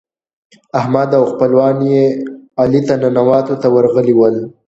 احمد او خپلوان يې علي ته ننواتو ته ورغلي ول.